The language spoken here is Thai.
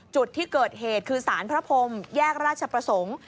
จุดที่เกิดเหตุคือสารพระพรมแยกราชประสงค์